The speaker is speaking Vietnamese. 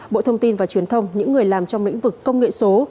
bộ thông tin và truyền thông những người làm trong lĩnh vực công nghệ số